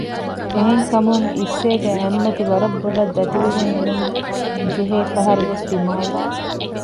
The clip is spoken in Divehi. އެހެން ކަމުން އިއްސޭގެ އަތްމަތި ވަރަށް ބޮޑަށް ދަތިވެގެން އުޅެން ޖެހޭ ފަހަރުވެސް ދިމާވެ